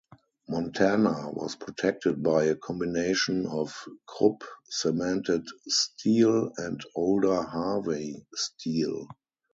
"Montana" was protected by a combination of Krupp cemented steel and older Harvey steel.